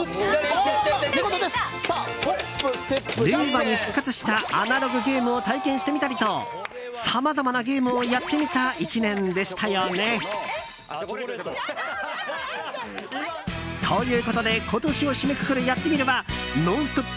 令和に復活したアナログゲームを体験してみたりとさまざまなゲームをやってみた１年でしたよね。ということで、今年を締めくくる「やってみる。」は「ノンストップ！」